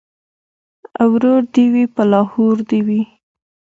ـ ورور دې وي په لاهور دې وي.